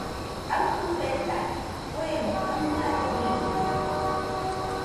Aɨfɨ betade, kuemo kaɨmare riide.